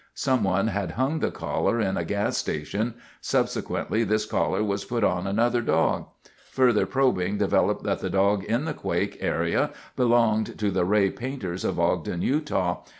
Someone had hung the collar in a gas station. Subsequently this collar was put on another dog. Further probing developed that the dog in the quake area belonged to the Ray Painters of Ogden, Utah.